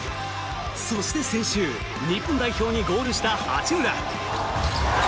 そして先週日本代表に合流した八村。